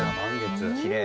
きれい。